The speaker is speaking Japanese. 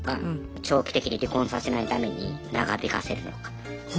長期的に離婚させないために長引かせるのか。